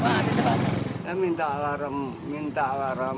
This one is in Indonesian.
saya minta alarm minta alarm